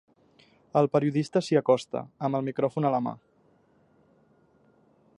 El periodista s'hi acosta amb el micròfon a la mà.